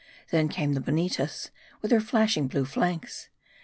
Then came the Boneetas, with their flashing blue flanks.